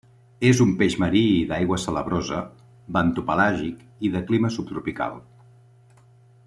És un peix marí i d'aigua salabrosa, bentopelàgic i de clima subtropical.